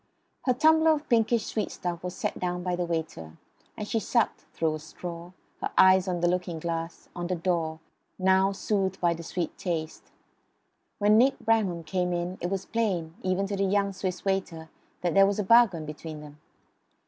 Her tumbler of pinkish sweet stuff was set down by the waiter; and she sucked, through a straw, her eyes on the looking glass, on the door, now soothed by the sweet taste. When Nick Bramham came in it was plain, even to the young Swiss waiter, that there was a bargain between them.